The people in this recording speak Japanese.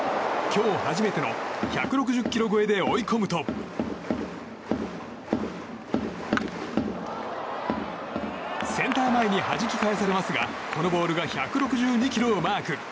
今日初めての１６０キロ超えで追い込むとセンター前にはじき返されますがこのボールが１６２キロをマーク。